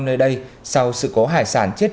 nơi đây sau sự cố hải sản chết